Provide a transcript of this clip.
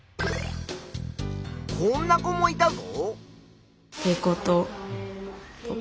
こんな子もいたぞ。